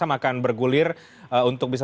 akan bergulir untuk bisa